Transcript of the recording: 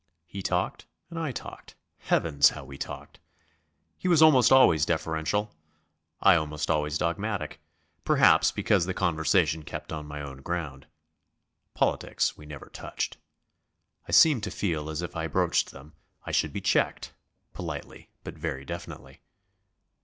He talked, and I talked; heavens, how we talked! He was almost always deferential, I almost always dogmatic; perhaps because the conversation kept on my own ground. Politics we never touched. I seemed to feel that if I broached them, I should be checked politely, but very definitely.